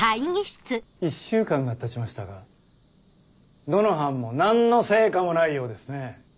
１週間がたちましたがどの班も何の成果もないようですね。